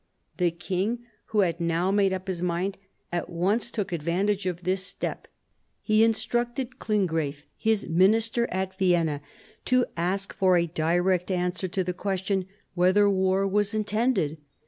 The king, who had now made up his mind, at once took advantage of this step. He instructed Klinggraf, his minister at Vienna, to ask for a direct answer to the question whether war was intended.